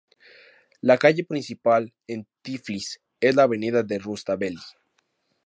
La calle principal en Tiflis es la Avenida de Rustaveli.